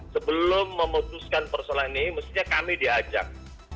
sebelum memutuskan persoalan ini mestinya kami diajak